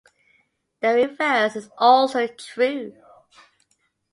The reverse is also true.